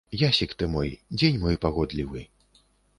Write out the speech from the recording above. Ясік ты мой, дзень мой пагодлівы.